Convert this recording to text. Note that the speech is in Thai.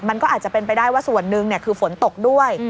มันก็อาจจะเป็นไปได้ว่าส่วนหนึ่งคือฝนตกด้วย